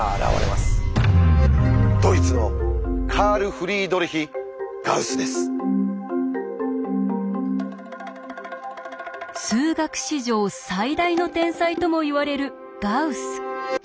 ドイツの数学史上最大の天才ともいわれるガウス。